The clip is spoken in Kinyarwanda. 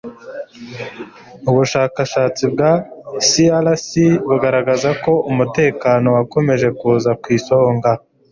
Ubushakashatsi bwa CRC bugaragaza ko umutekano wakomeje kuza ku isonga